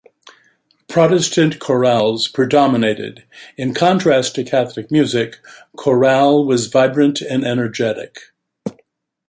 Protestant chorales predominated; in contrast to Catholic music, chorale was vibrant and energetic.